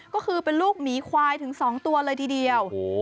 ก็คือเป็นลูกหมีควายถึง๒ตัวเลยทีเดียว